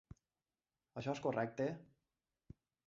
Això és correcte?